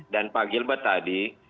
dan pak gilbert tadi